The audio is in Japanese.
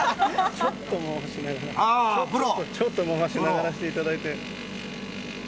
ちょっと回しながらしていただいて。